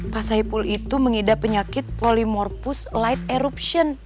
pak saipul itu mengidap penyakit polimorpus light eruption